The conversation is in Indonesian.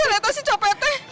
nggak tahu si copetnya